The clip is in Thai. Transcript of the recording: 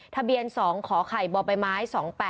ทะเบียน๒ขอไข่บอไปไม้